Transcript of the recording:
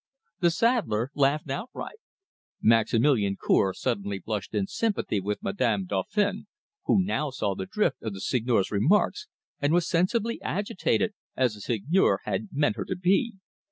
The saddler laughed outright. Maximilian Cour suddenly blushed in sympathy with Madame Dauphin, who now saw the drift of the Seigneur's remarks, and was sensibly agitated, as the Seigneur had meant her to be.